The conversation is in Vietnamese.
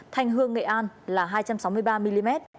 thanh hương nghệ an là hai trăm sáu mươi ba mm